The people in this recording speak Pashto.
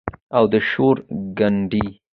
او د شور ګنډي